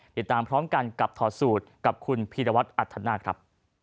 ติดตามพร้อมกันกับถอดสูตรกับคุณพีรวัตรอัธนาคครับ